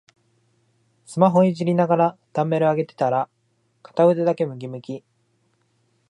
スマホいじりながらダンベル上げてたら片腕だけムキムキ